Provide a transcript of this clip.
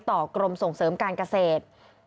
กรมส่งเสริมการเกษตร